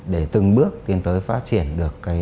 để từng bước tiến tới phát triển được